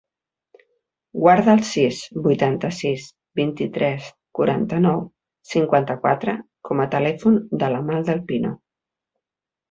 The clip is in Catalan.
Guarda el sis, vuitanta-sis, vint-i-tres, quaranta-nou, cinquanta-quatre com a telèfon de l'Amal Del Pino.